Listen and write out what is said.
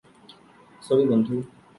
Sorry, বন্ধু।